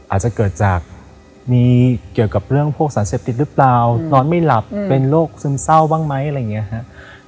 อาจจะเกิดจากมีเกี่ยวกับเรื่องพวกสารเสพติดหรือเปล่านอนไม่หลับเป็นโรคซึมเศร้าบ้างไหมอะไรอย่างนี้ครับ